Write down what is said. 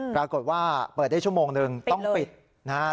ปรากฏว่าเปิดได้ชั่วโมงนึงต้องปิดนะครับ